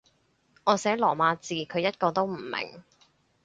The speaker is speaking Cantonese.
我寫羅馬字，佢一個都唔明